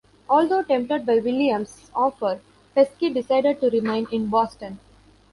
Although tempted by Williams' offer, Pesky decided to remain in Boston.